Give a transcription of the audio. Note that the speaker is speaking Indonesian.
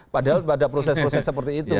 padahal pada proses proses seperti itu